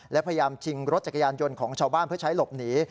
และพยายามชิงรถจักรยานยนต์ของชาวบ้านเพื่อใช้หลบหนี